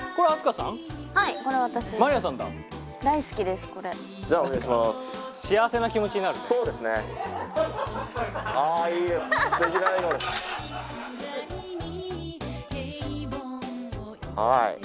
はい。